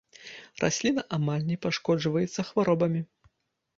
Расліна амаль не пашкоджваецца хваробамі.